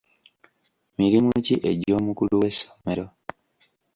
Mirimu ki egy'omukulu w'essomero?